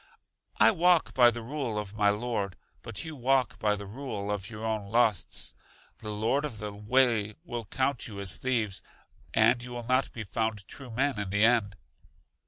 I walk by the rule of my Lord, but you walk by the rule of your own lusts. The Lord of the way will count you as thieves, and you will not be found true men in the end.